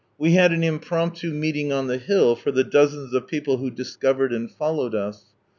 We had an impromptu meeting on the hill, for the dozens of people who dis covered and followed us.